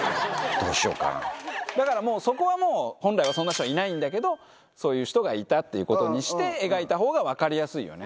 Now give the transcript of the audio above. だからもう、そこは本来はそんな人はいないんだけれども、そういう人がいたっていうことにして、描いたほうが分かりやすいよね。